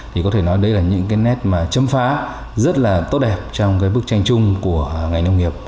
thì có thể nói đấy là những cái nét mà chấm phá rất là tốt đẹp trong cái bức tranh chung của ngành nông nghiệp